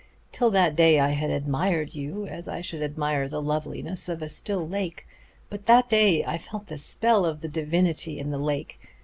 Till that day I had admired as I should admire the loveliness of a still lake; but that day I felt the spell of the divinity of the lake.